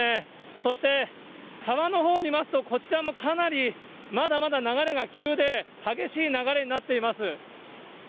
そして川のほうを見ますと、こちらもかなり、まだまだ流れが急で、激しい流れになっています。